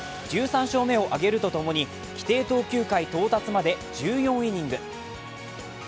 １３勝目を挙げるとともに規定投球回到達まで１４イニング。